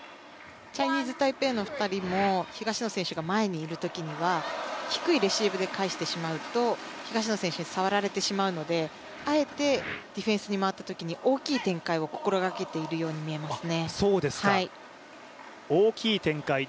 チャイニーズ・タイペイの２人も、東野選手が前にいるときには低いレシーブで返してしまうと東野選手に触られてしまうので、あえてディフェンスに回ったときに大きい展開を心がけているように見えますね。